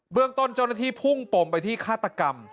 เรื่องต้นเจ้าหน้าที่พุ่งปมไปที่ฆาตกรรม